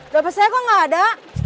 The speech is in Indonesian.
dapet saya kok gak ada